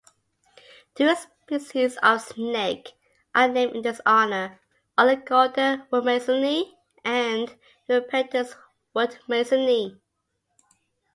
Two species of snake are named in his honour: "Oligodon woodmasoni" and "Uropeltis woodmasoni".